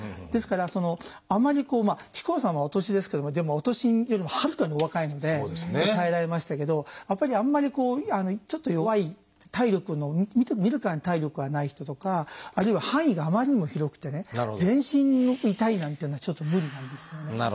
ですからあまりこう木久扇さんはお年ですけどもでもお年よりもはるかにお若いので耐えられましたけどやっぱりあんまりちょっと弱い体力の見るからに体力がない人とかあるいは範囲があまりにも広くてね全身痛いなんていうのはちょっと無理なんですよね。